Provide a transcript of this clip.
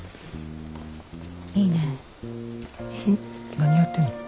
何やってんの？